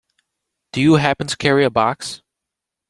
Do you happen to carry a box?